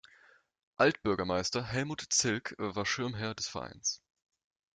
Altbürgermeister Helmut Zilk war Schirmherr des Vereins.